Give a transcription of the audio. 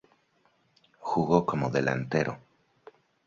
Jugó como delantero.